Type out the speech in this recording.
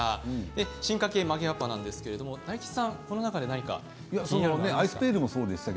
進化系曲げわっぱなんですが大吉さんこの中で何か気になるのがありますか？